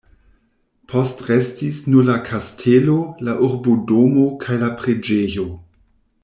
Postrestis nur la kastelo, la urbodomo kaj la preĝejo.